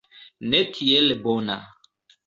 Ne tiel bona.